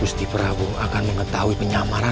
gusti prabu akan mengetahui penyamaranku